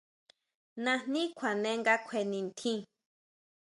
Najní kjuane nga kjue nitjín.